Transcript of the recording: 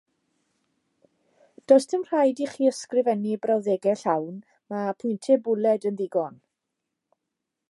Does dim rhaid i chi ysgrifennu brawddegau llawn, mae pwyntiau bwled yn ddigon.